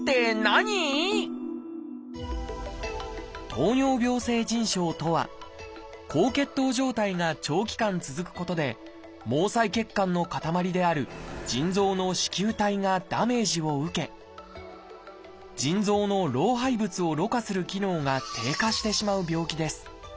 「糖尿病性腎症」とは高血糖状態が長期間続くことで毛細血管のかたまりである腎臓の糸球体がダメージを受け腎臓の老廃物をろ過する機能が低下してしまう病気です。